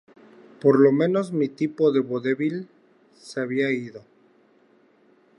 Por lo menos mi tipo de vodevil se había ido.